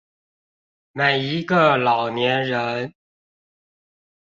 每一個老年人